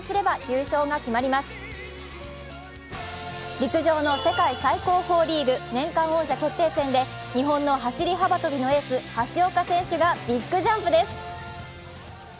陸上の世界最高峰リーグ、年間王者決定戦で日本の走り幅跳びのエース橋岡選手がビッグジャンプです。